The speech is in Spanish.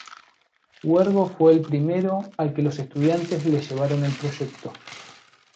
Huergo fue el primero al que los estudiantes le llevaron el proyecto.